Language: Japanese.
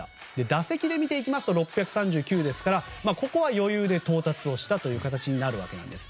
打席で見ていくと６３９ですからここは余裕で到達をした形になるわけです。